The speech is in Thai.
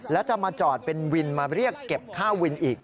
แล้วจะมาจอดเป็นวินมาเรียกเก็บค่าวินอีก